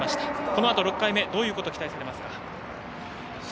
このあと６回目どういうことを期待されますか？